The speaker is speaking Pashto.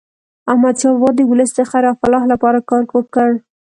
احمد شاه بابا د ولس د خیر او فلاح لپاره کار وکړ.